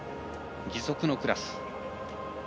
義足のクラス。